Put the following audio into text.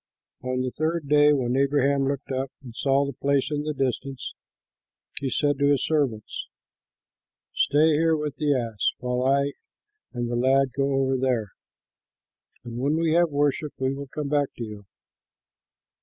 On the third day, when Abraham looked up and saw the place in the distance, he said to his servants, "Stay here with the ass, while I and the lad go over there. When we have worshipped, we will come back to you."